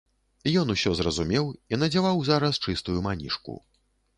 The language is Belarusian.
Ён усё зразумеў і надзяваў зараз чыстую манішку.